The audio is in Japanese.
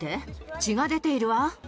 血が出ているわ。